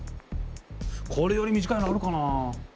これより短いのあるかな？